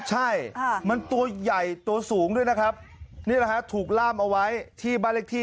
ใช่มันตัวใหญ่ตัวสูงด้วยนะครับนี่แหละฮะถูกล่ามเอาไว้ที่บ้านเลขที่